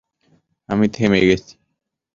আমি থেমে গেছি।